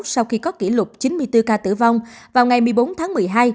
sau khi có kỷ lục chín mươi bốn ca tử vong vào ngày một mươi bốn tháng một mươi hai